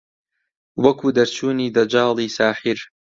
وەکوو دەرچوونی دەجاڵی ساحیر